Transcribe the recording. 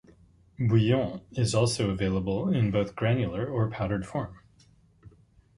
Bouillon is also available in both granular or powdered form.